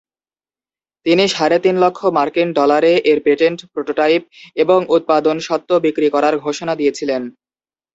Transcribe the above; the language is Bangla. তিনি সাড়ে তিন লক্ষ মার্কিন ডলারে এর পেটেন্ট, প্রোটোটাইপ, এবং উৎপাদন স্বত্ব বিক্রির করার ঘোষণা দিয়েছিলেন।